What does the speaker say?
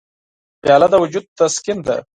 پیاله د وجود تسکین ده.